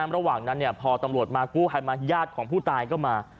ระหว่างนั้นพอตำรวจมากู้ภัยมาญาติของผู้ตายก็มา